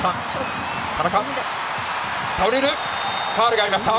ファウルがありました。